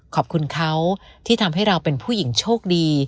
ขอบคุณเขาที่ทำให้เราเป็นผู้หญิงโชคดี